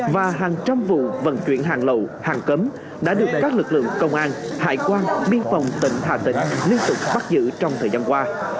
và hàng trăm vụ vận chuyển hàng lậu hàng cấm đã được các lực lượng công an hải quan biên phòng tỉnh hà tĩnh liên tục bắt giữ trong thời gian qua